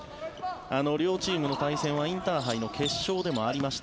両チームの対戦はインターハイの決勝でもありました。